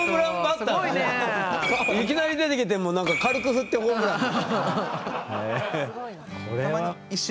いきなり出てきて軽く振ってホームラン。